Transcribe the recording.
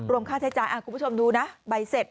ค่าใช้จ่ายคุณผู้ชมดูนะใบเสร็จ